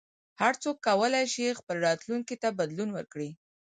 هر څوک کولای شي خپل راتلونکي ته بدلون ورکړي.